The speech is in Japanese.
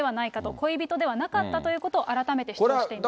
恋人ではなかったということを改めて主張しています。